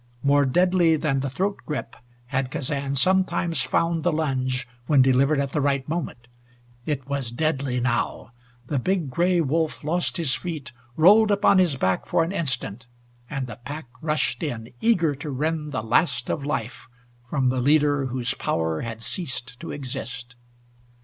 More deadly than the throat grip had Kazan sometimes found the lunge when delivered at the right moment. It was deadly now. The big gray wolf lost his feet, rolled upon his back for an instant, and the pack rushed in, eager to rend the last of life from the leader whose power had ceased to exist.